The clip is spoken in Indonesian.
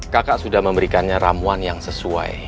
kakak sudah memberikannya ramuan yang sesuai